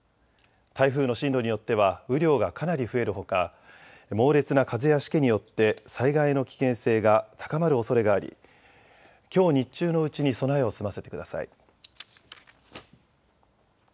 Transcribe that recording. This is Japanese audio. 台風の進路によっては雨量がかなり増えるほか、猛烈な風やしけによって災害の危険性が高まるおそれがありきょう日中のうちに備えを済ませてください。